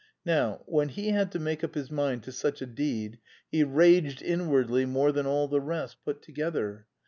Now, when he had to make up his mind to such a deed, he raged inwardly more than all the rest put together.